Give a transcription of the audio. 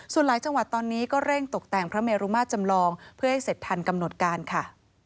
ส่วนหลายจังหวัดตอนนี้ก็เร่งตกแต่งพระเมรุมาตรจำลองเพื่อให้เสร็จทันกำหนดการค่ะ